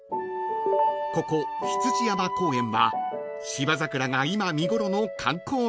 ［ここ羊山公園は芝桜が今見頃の観光名所］